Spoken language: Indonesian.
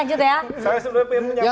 nanti dilanjut ya